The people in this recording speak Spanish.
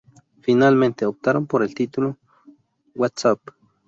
Finalmente optaron por el título "What's Up?